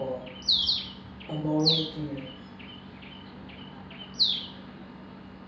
A MORAL DUEL.